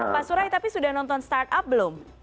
pak surai tapi sudah nonton start up belum